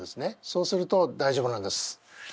そうすると大丈夫なんです。